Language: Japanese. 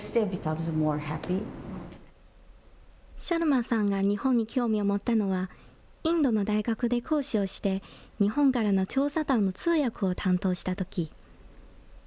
シャルマさんが日本に興味を持ったのは、インドの大学で講師をして、日本からの調査団の通訳を担当したとき。